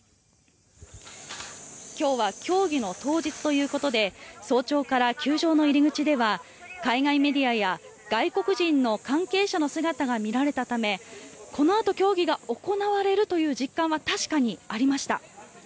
今日は競技の当日ということで早朝から球場の入り口では海外メディアや外国人の関係者の姿が見られたためこのあと競技が行われるという実感は確かにありました。